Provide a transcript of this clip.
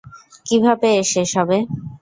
কীভাবে এর শেষ হবে?